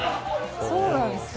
そうなんですか？